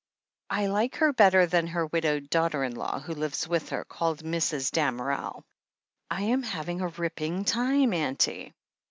I like her better than her widgwed daughter in law, who lives with her, called Mrs. Damerel. I am having a ripping time, auntie."